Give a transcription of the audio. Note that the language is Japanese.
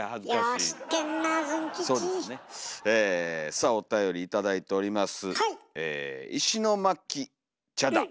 さあおたより頂いております。